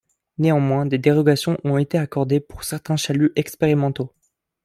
Néanmoins, des dérogations ont été accordées pour certains chaluts expérimentaux.